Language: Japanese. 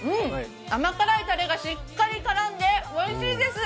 甘辛いたれがしっかり絡んでおいしいです。